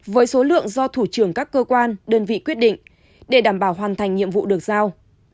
với số lượng do thủ trưởng các cơ quan đơn vị quyết định để đảm bảo hoàn thành nhiệm vụ được giao